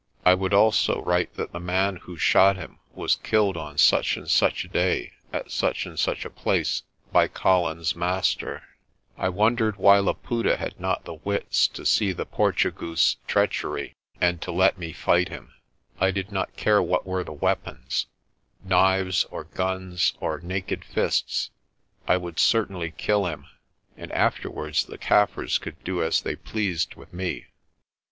I would also write that the man who shot him was killed on such and such a day at such and such a place by Colin's master. I wondered why Laputa had not the wits to see the Portugoose's treachery and to let me fight him. I did not care what were the weapons knives or guns or naked fists I would certainly kill him, and after wards the Kaffirs could do as they pleased with me.